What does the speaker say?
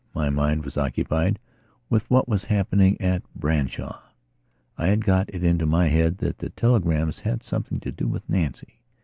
My mind was occupied with what was happening at Branshaw. I had got it into my head that the telegrams had something to do with Nancy.